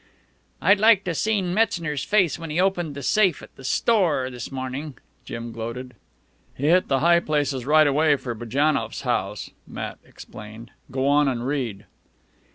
"I'd like to seen Metzner's face when he opened the safe at the store this mornin'," Jim gloated. "He hit the high places right away for Bujannoff's house," Matt explained. "Go on an' read."